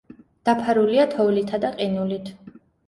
დაფარულია თოვლითა და ყინულით.